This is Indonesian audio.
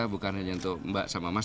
bukan hanya untuk mbak sama mas